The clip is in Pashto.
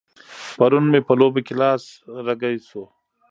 پرون مې په لوبه کې لاس رګی شو.